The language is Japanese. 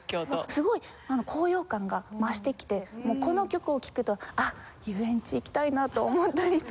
すごい高揚感が増してきてこの曲を聴くと遊園地行きたいなと思ったりすごくするので。